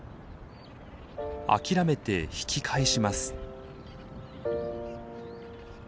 諦めて引き返します。